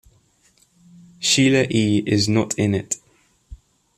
Sheila E. is not in it.